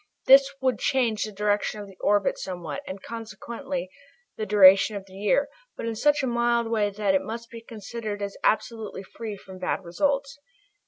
This would change the direction of the orbit somewhat, and consequently the duration of the year, but in such a mild way that it must be considered as absolutely free from bad results.